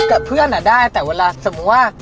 กับเพื่อนได้แต่เวลาสมมุติว่า